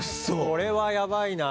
これはやばいな。